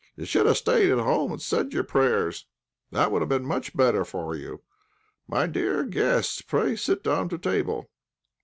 You should have stayed at home, and said your prayers; that would have been much better for you. My dear guests, pray sit down to table."